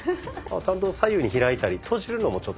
ちゃんと左右に開いたり閉じるのもちょっとやってみて下さい。